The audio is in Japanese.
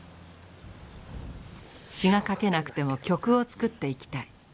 詞が書けなくても曲を作っていきたい。